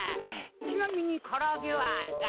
ちなみにからあげはあるか？